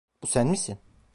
Bu sen misin?